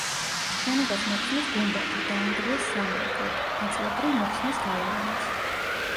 შენობას მოხსნეს გუმბათი, დაანგრიეს სამრეკლო, ნაწილობრივ მოხსნეს გალავანიც.